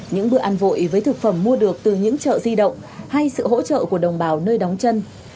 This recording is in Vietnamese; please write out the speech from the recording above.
những bữa ăn vội với thực phẩm mua được từ những chợ di động hay sự hỗ trợ của đồng bào nơi đóng chân